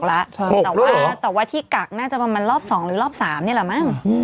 แต่ว่าแต่ว่าที่กักน่าจะประมาณรอบ๒หรือรอบ๓นี่แหละมั้ง